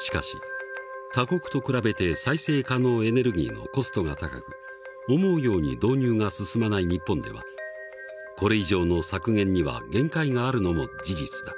しかし他国と比べて再生可能エネルギーのコストが高く思うように導入が進まない日本ではこれ以上の削減には限界があるのも事実だ。